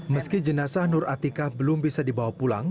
meski jenazah nur atika belum bisa dibawa pulang